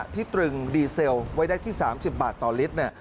ตรึงดีเซลไว้ได้ที่๓๐บาทต่อลิตร